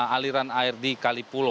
aliran air di kali pulo